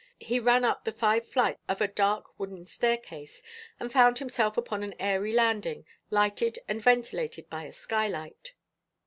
He ran up the five flights of a dark wooden staircase, and found himself upon an airy landing, lighted and ventilated by a skylight.